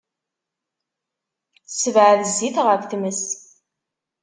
Ssebɛed zzit ɣef tmes.